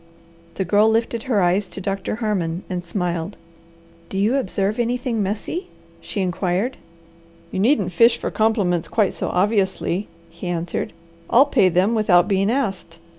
The Girl lifted her eyes to Doctor Harmon and smiled. "Do you observe anything messy?" she inquired. "You needn't fish for compliments quite so obviously," he answered. "I'll pay them without being asked.